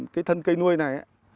cái thân cây nuôi này ấy